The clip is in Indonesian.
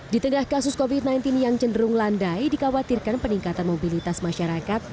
di tengah kasus covid sembilan belas yang cenderung landai dikhawatirkan peningkatan mobilitas masyarakat